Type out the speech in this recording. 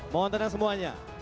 mohon tenang semuanya